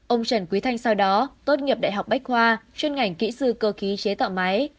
ông trần quý thanh sau đó tốt nghiệp đại học bách khoa chuyên ngành kỹ sư cơ khí chế tạo máy